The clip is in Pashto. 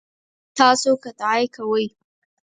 تاسو قطعی کوئ؟